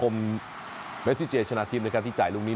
เมซิเจชนะทิพย์นะครับที่จ่ายลูกนี้